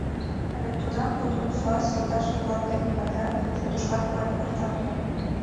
— А вет тунам тудым суас йолташыже-влак дене пырля судышкат пуэн кертам ыле...